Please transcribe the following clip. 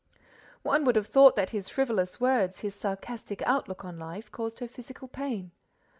One would have thought that his frivolous words, his sarcastic outlook on life, caused her physical pain.